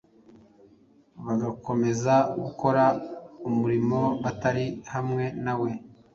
bagakomeza gukora umurimo batari hamwe nawe,